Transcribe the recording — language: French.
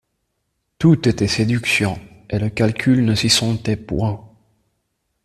Tout était séduction, et le calcul ne s’y sentait point.